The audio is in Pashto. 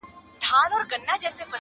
پر رخسار دي اورولي خدای د حُسن بارانونه,